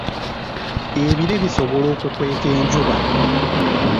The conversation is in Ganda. Ebire bisobola okukweka enjuba.